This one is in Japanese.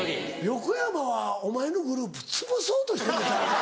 横山はお前のグループつぶそうとしてんのちゃうか？